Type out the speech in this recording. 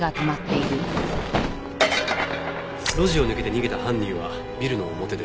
路地を抜けて逃げた犯人はビルの表で。